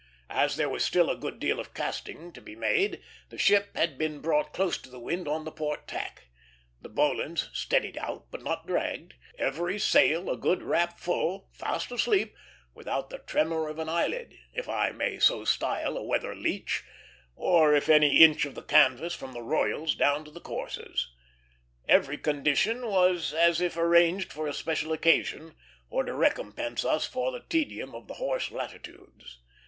As there was still a good deal of casting to make, the ship had been brought close to the wind on the port tack; the bowlines steadied out, but not dragged, every sail a good rap full, "fast asleep," without the tremor of an eyelid, if I may so style a weather leach, or of any inch of the canvas, from the royals down to the courses. Every condition was as if arranged for a special occasion, or to recompense us for the tedium of the horse latitudes.